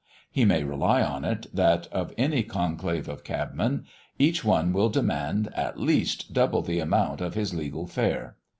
He may rely on it, that of any conclave of cabmen, each one will demand, at least, double the amount of his legal fare.